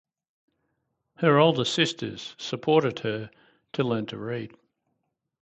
Her older sisters supported her to learn to read.